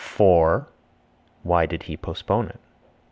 (For) why did he postpone it?